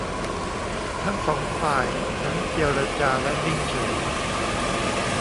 ทั้งสองฝ่ายทั้งเจรจาและนิ่งเฉย